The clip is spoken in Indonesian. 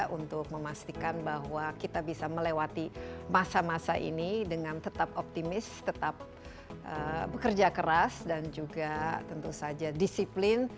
untuk memastikan bahwa kita bisa melewati masa masa ini dengan tetap optimis tetap bekerja keras dan juga tentu saja disiplin